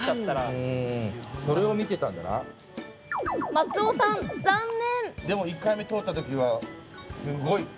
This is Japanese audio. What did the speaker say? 松尾さん、残念。